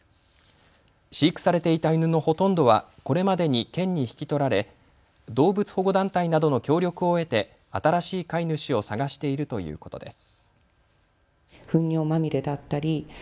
飼育されていた犬のほとんどはこれまでに県に引き取られ動物保護団体などの協力を得て新しい飼い主を探しているということです。